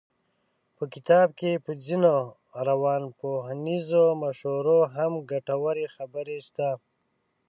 په کتاب کې په ځينو روانپوهنیزو مشورو هم ګټورې خبرې شته.